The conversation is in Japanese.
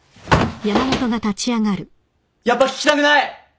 やっぱ聞きたくない！